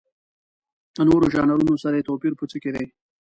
د نورو ژانرونو سره یې توپیر په څه کې دی؟